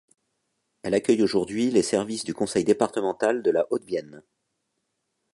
Elle accueille aujourd'hui les services du Conseil départemental de la Haute-Vienne.